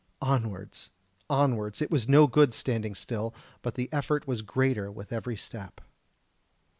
Onwards! onwards! it was no good standing still; but the effort was greater with every step.